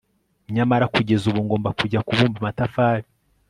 Nyamara kugeza ubu ugomba kujya kubumba amatafari